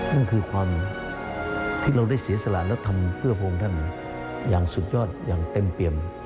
นั่นคือความที่เราได้เสียสละและทำเพื่อพระองค์ท่านอย่างสุดยอดอย่างเต็มเปี่ยม